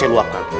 kenapa aku rop